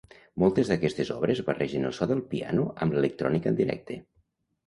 Moltes d’aquestes obres barregen el so del piano amb l'electrònica en directe.